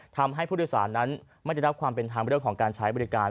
ทำให้ผู้โดยสารนั้นไม่ได้รับความเป็นธรรมเรื่องของการใช้บริการ